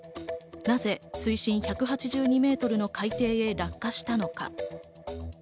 なぜ、水深１８２メートルの海底へ落下したのか。